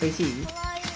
かわいい。